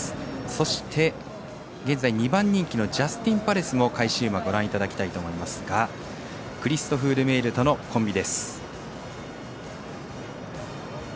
そして、現在２番人気のジャスティンパレスも返し馬、ご覧いただきますがクリストフ・ルメールとのコンビです。